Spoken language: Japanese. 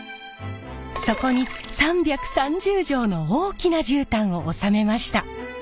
そこに３３０畳の大きな絨毯を納めました。